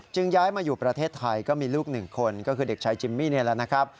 ย้ายมาอยู่ประเทศไทยก็มีลูกหนึ่งคนก็คือเด็กชายจิมมี่นี่แหละนะครับ